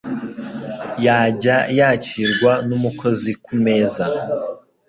yajya yakirwa n'umukozi ku meza.